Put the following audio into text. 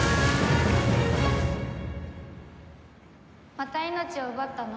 また命を奪ったの？